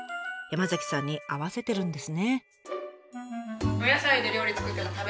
山さんに合わせてるんですね。